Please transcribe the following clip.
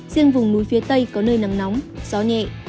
riêng vùng núi phía tây có nơi nắng nóng gió nhẹ